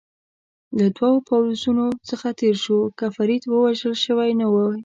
له دوو پوځونو څخه تېر شو، که فرید وژل شوی نه وای.